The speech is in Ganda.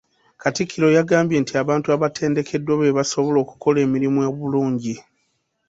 Katikkiro yagambye nti abantu abatendekeddwa be basobola okukola emirimu obulungi.